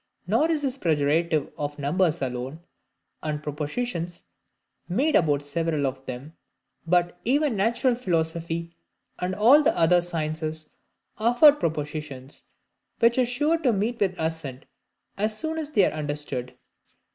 Nor is this the prerogative of numbers alone, and propositions made about several of them; but even natural philosophy, and all the other sciences, afford propositions which are sure to meet with assent as soon as they are understood.